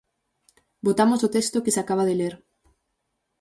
Votamos o texto que se acaba de ler.